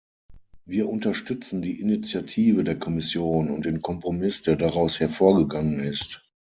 Wir unterstützen die Initiative der Kommission und den Kompromiss, der daraus hervorgegangen ist.